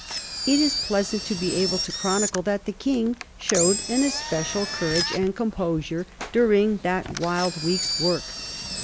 It is pleasant to be able to chronicle that the King showed an especial courage and composure during that wild week's work.